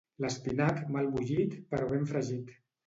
L'espinac, mal bullit, però ben fregit.